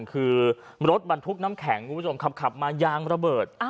คือรถบาลพุกน้ำแข็งงุปวาสมขับมายางระเบิด